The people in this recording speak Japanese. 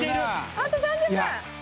あと３０分。